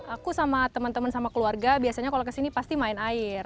aku sama teman teman sama keluarga biasanya kalau kesini pasti main air